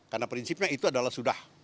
karena prinsipnya itu adalah sudah